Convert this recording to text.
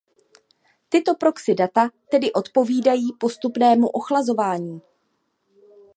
Tyto proxy data tedy odpovídají postupnému ochlazování.